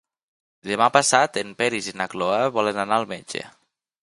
Demà passat en Peris i na Cloè volen anar al metge.